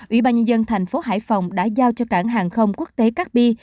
ủy ban nhân dân thành phố hải phòng đã giao cho cảng hàng không quốc tế cacpi